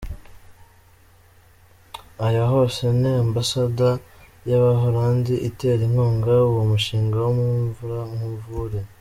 Aho hose ni ambasade y’Abahollandi itera inkunga uwo mushinga wa Mvura nkuvure.